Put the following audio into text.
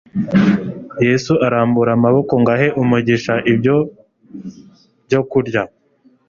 Yesu arambura amaboko ngo ahe umugisha ibyo byokurya.